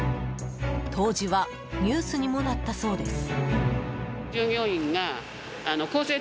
当時はニュースにもなったそうです。